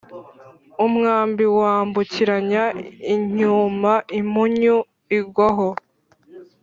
umwambi wambukiranya inyuma impunyu igwaho.